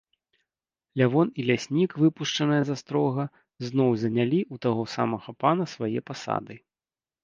Лявон і ляснік, выпушчаныя з астрога, зноў занялі ў таго самага пана свае пасады.